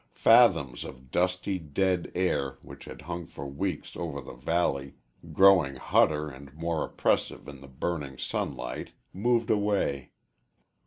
Fathoms of dusty, dead air which had hung for weeks over the valley, growing hotter and more oppressive in the burning sunlight, moved away.